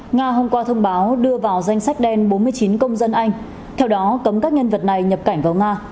nga hôm qua thông báo đưa vào danh sách đen bốn mươi chín công dân anh theo đó cấm các nhân vật này nhập cảnh vào nga